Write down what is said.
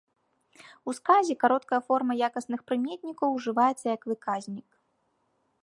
У сказе кароткая форма якасных прыметнікаў ужываецца як выказнік.